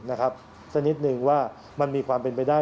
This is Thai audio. สักนิดนึงว่ามันมีความเป็นไปได้